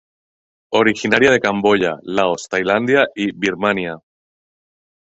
Originaria de Camboya, Laos, Tailandia y Birmania.